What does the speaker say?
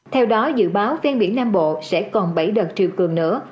theo đó dự báo ven biển nam bộ sẽ còn bảy đợt triều cường nữa